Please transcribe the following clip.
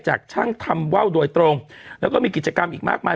จากช่างทำว่าวโดยตรงแล้วก็มีกิจกรรมอีกมากมาย